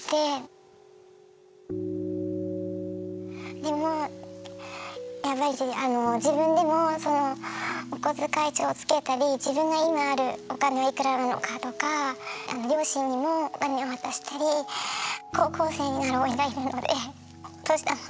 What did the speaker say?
でもやっぱしあの自分でもそのお小遣い帳をつけたり自分が今あるお金はいくらあるのかとか両親にもお金を渡したり高校生になるおいがいるのでお年玉あげたりとか。